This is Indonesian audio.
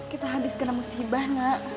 kita habis kena musibah nak